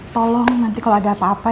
tolong nanti kalau ada apa apa